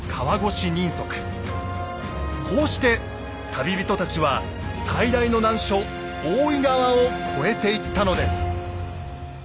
こうして旅人たちは最大の難所大井川を越えていったのです。